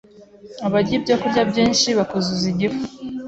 Abarya ibyokurya byinshi bakuzuza igifu